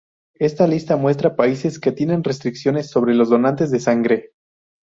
Esta lista muestra países que tienen restricciones sobre los donantes de sangre.